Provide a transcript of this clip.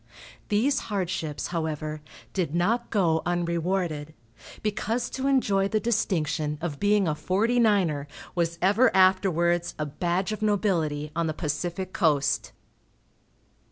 These hardships, however, did not go unrewarded, because to enjoy the distinction of being a "Forty niner" was ever afterwards a badge of nobility on the Pacific Coast.